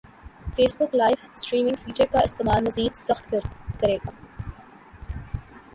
face بک live streaming feature کا استعمال مزید سخت کریگا